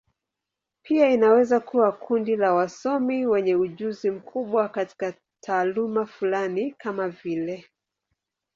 Pia inaweza kuwa kundi la wasomi wenye ujuzi mkubwa katika taaluma fulani, kama vile.